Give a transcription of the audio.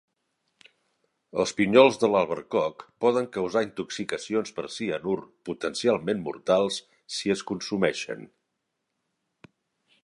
Els pinyols de l'albercoc poden causar intoxicacions per cianur potencialment mortals si es consumeixen.